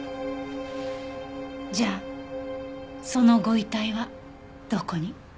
じゃあそのご遺体はどこに？